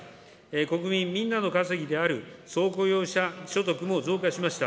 国民みんなの稼ぎである総雇用者所得も増加しました。